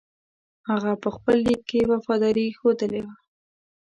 هغه په خپل لیک کې وفاداري ښودلې وه.